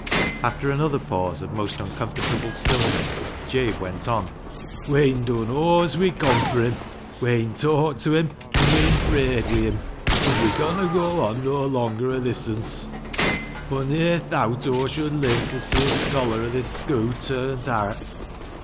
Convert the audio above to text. After another pause of most uncomfortable stillness, Jabe went on —" We'en done aw as we con fur him. We'en talked to him, an' we'en prayed wi' him. Bud we conna goa on no longer o' thisunce. Aw ne'er thowt Aw should live ta see a scholar o' this schoo' turnt aat.